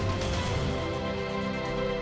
kami akan mulai dari pemerintah